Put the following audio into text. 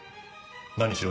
何しろ